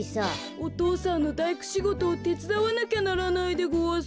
お父さんのだいくしごとをてつだわなきゃならないでごわす。